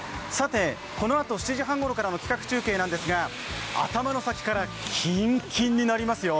このあと７時半ごろからの企画中継なんですが頭の先からキンキンになりますよ。